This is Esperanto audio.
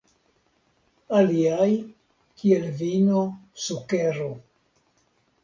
Aliaj, kiel vino, sukero.